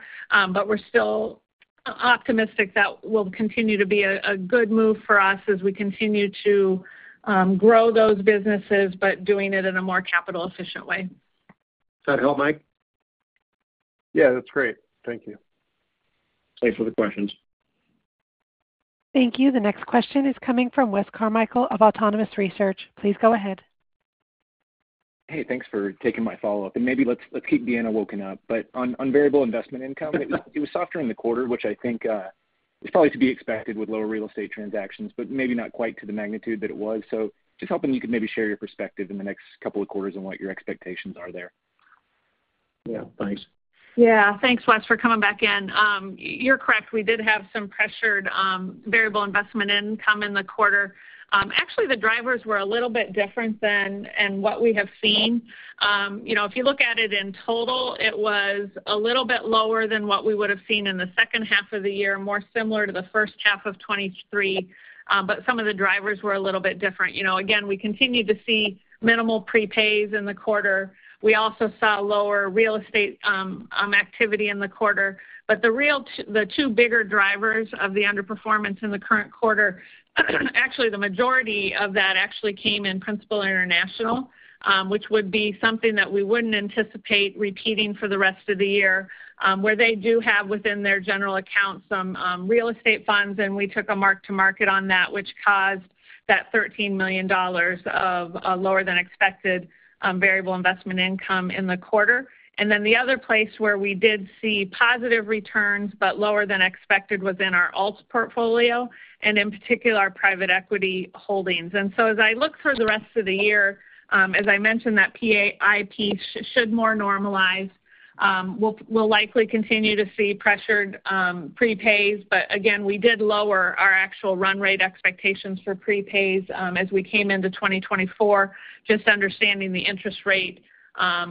But we're still optimistic that will continue to be a good move for us as we continue to grow those businesses, but doing it in a more capital efficient way. Does that help, Mike? Yeah, that's great. Thank you. Thanks for the questions. Thank you. The next question is coming from Wes Carmichael of Autonomous Research. Please go ahead. Hey, thanks for taking my follow-up, and maybe let's, let's keep Deanna woken up. But on, on variable investment income, it was softer in the quarter, which I think is probably to be expected with lower real estate transactions, but maybe not quite to the magnitude that it was. So just hoping you could maybe share your perspective in the next couple of quarters on what your expectations are there. Yeah. Thanks. .Yeah, thanks, Wes, for coming back in. You're correct, we did have some pressured variable investment income in the quarter. Actually, the drivers were a little bit different than what we have seen. You know, if you look at it in total, it was a little bit lower than what we would have seen in the second half of the year, more similar to the first half of 2023. But some of the drivers were a little bit different. You know, again, we continued to see minimal prepays in the quarter. We also saw lower real estate activity in the quarter. But the real two bigger drivers of the underperformance in the current quarter, actually, the majority of that actually came in Principal International, which would be something that we wouldn't anticipate repeating for the rest of the year. Where they do have within their general account some real estate funds, and we took a mark-to-market on that, which caused that $13 million of lower than expected variable investment income in the quarter. And then the other place where we did see positive returns but lower than expected was in our ALTS portfolio, and in particular, our private equity holdings. And so as I look for the rest of the year, as I mentioned, that PAIP should more normalize. We'll likely continue to see pressured prepays, but again, we did lower our actual run rate expectations for prepays as we came into 2024, just understanding the interest rate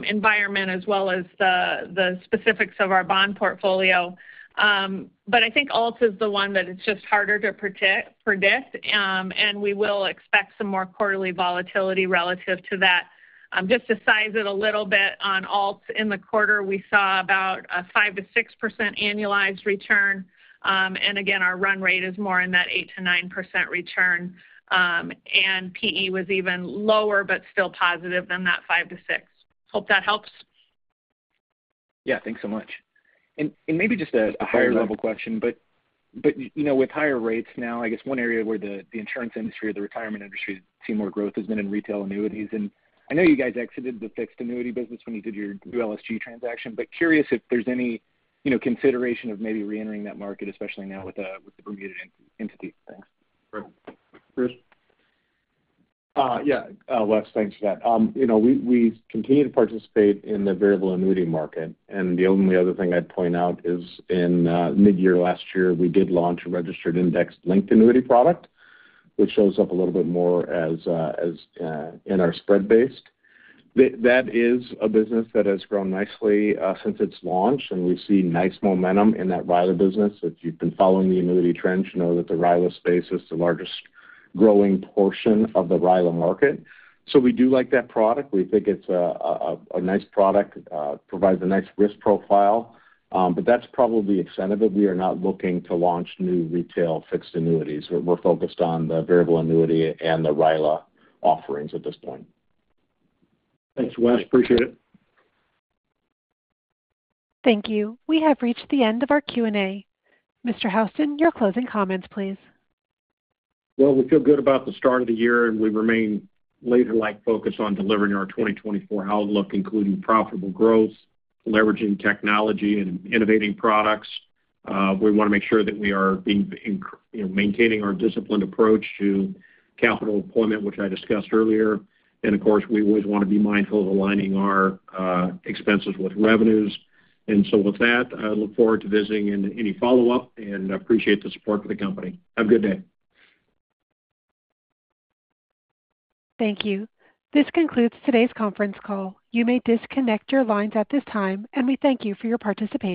environment as well as the specifics of our bond portfolio. But I think ALTS is the one that it's just harder to predict, and we will expect some more quarterly volatility relative to that. Just to size it a little bit on ALTS, in the quarter, we saw about a 5%-6% annualized return. And again, our run rate is more in that 8%-9% return. And PE was even lower, but still positive than that 5%-6%. Hope that helps. Yeah. Thanks so much. And maybe just a higher level question. But you know, with higher rates now, I guess one area where the insurance industry or the retirement industry has seen more growth has been in retail annuities. And I know you guys exited the fixed annuity business when you did your new LSG transaction, but curious if there's any, you know, consideration of maybe reentering that market, especially now with the Bermudan entity. Thanks. Chris? Yeah, Wes, thanks for that. You know, we continue to participate in the variable annuity market, and the only other thing I'd point out is in midyear last year, we did launch a registered index-linked annuity product, which shows up a little bit more as in our spread-based. That is a business that has grown nicely since its launch, and we've seen nice momentum in that RILA business. If you've been following the annuity trends, you know that the RILA space is the largest growing portion of the RILA market. So we do like that product. We think it's a nice product, provides a nice risk profile, but that's probably the extent of it. We are not looking to launch new retail fixed annuities. We're focused on the Variable Annuity and the RILA offerings at this point. Thanks, Wes. Appreciate it. Thank you. We have reached the end of our Q&A. Mr. Houston, your closing comments, please. Well, we feel good about the start of the year, and we remain laser-like focused on delivering our 2024 outlook, including profitable growth, leveraging technology, and innovating products. We want to make sure that we are being, you know, maintaining our disciplined approach to capital deployment, which I discussed earlier. And of course, we always want to be mindful of aligning our expenses with revenues. And so with that, I look forward to visiting any follow-up, and I appreciate the support for the company. Have a good day. Thank you. This concludes today's conference call. You may disconnect your lines at this time, and we thank you for your participation.